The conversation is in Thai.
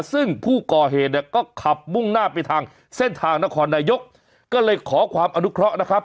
ซึ่งผู้ก่อเหตุเนี่ยก็ขับมุ่งหน้าไปทางเส้นทางนครนายกก็เลยขอความอนุเคราะห์นะครับ